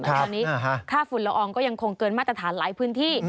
ตอนนี้ค่าฝุ่นละอองก็ยังคงเกินมาตรฐานหลายพื้นที่